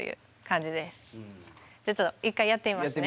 じゃあちょっと１回やってみますね。